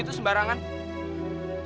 satu opsi baru aja cukup buat usir ini